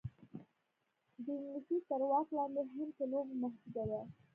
د انګلیس تر واک لاندې هند کې لوبه محدوده ده.